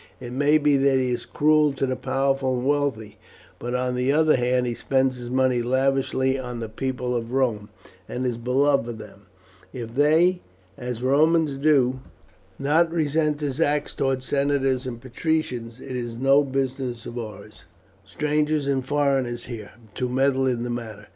It may be that he is cruel to the powerful and wealthy, but on the other hand he spends his money lavishly on the people of Rome, and is beloved by them. If they as Romans do not resent his acts towards senators and patricians it is no business of ours, strangers and foreigners here, to meddle in the matter.